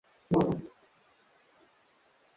tayari kukamata kwa kiongozi huyo elton mangoma